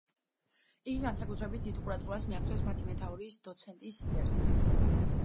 იგი განსაკუთრებით დიდ ყურადღებას მიაქცევს მათი მეთაურის, დოცენტის იერს.